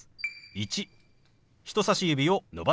「１」。